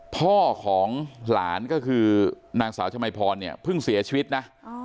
พ่อของหลานก็คือนางสาวชมัยพรเนี่ยเพิ่งเสียชีวิตนะ